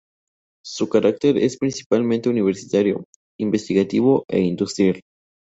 Su carácter es principalmente universitario, investigativo e industrial.